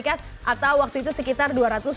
atau waktu itu sekitar dua ratus dua puluh miliar dolar as